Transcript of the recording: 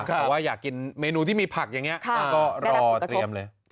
แต่ว่าอยากกินเมนูที่มีผักอย่างนี้